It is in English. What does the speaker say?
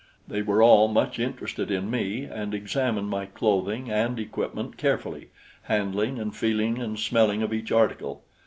They were all much interested in me and examined my clothing and equipment carefully, handling and feeling and smelling of each article.